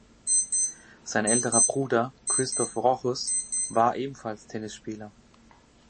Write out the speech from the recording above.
Sein älterer Bruder Christophe Rochus war ebenfalls Tennisspieler.